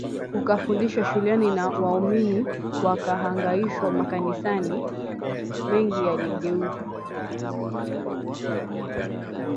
ukafundishwa shuleni na waumini wakahangaishwa Makanisa mengi yaligeuzwa